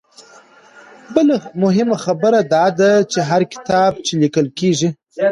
بله مهمه خبره دا ده چې هر کتاب چې ليکل کيږي